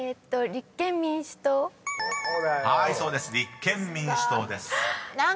「立憲民主党」です］